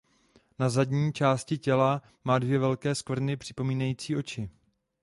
Na zadní části těla má dvě velké skvrny připomínající oči.